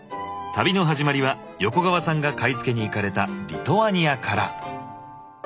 旅の始まりは横川さんが買い付けに行かれたリトアニアから！